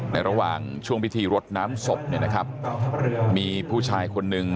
ในระหว่างช่วงพิธีรดน้ำศพมีผู้ชายคนหนึ่ง